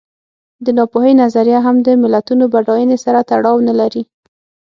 د ناپوهۍ نظریه هم د ملتونو بډاینې سره تړاو نه لري.